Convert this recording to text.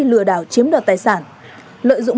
lừa đảo chiếm đoạt tài sản lợi dụng